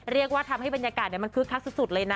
เรียกว่าทำให้บรรยากาศมันคึกคักสุดเลยนะ